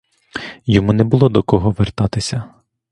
Йому не було до кого вертатися.